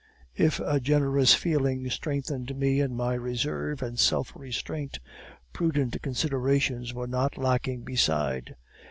"If a generous feeling strengthened me in my reserve and self restraint, prudent considerations were not lacking beside.